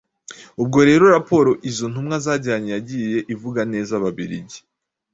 Ubwo rero raporo izo ntumwa zajyanye yagiye ivuga neza Ababiligi.